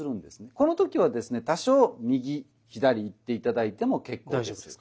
この時はですね多少右左行って頂いても結構です。